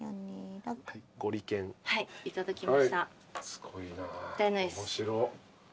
すごいな面白っ。